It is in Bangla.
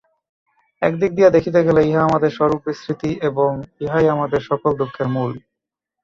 একদিক দিয়া দেখিতে গেলে ইহা আমাদের স্বরূপ-বিস্মৃতি এবং ইহাই আমাদের সকল দুঃখের মূল।